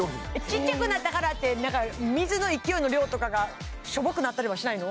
ちっちゃくなったからって何か水の勢いの量とかがしょぼくなったりはしないの？